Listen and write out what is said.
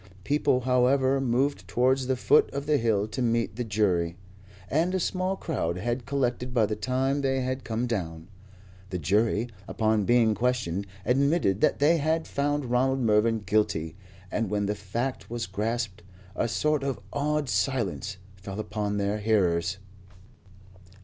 People, however, moved towards the foot of the hill to meet the jury, and a small crowd had collected by the time they had come down. The jury, upon being questioned, admitted that they had found Ronald Mervyn guilty, and when the fact was grasped, a sort of awed silence fell upon their hearers.